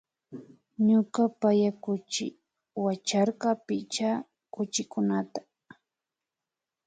Ñuka paya kuchi wacharka picha kuchikukunata